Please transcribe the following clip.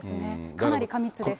かなり過密です。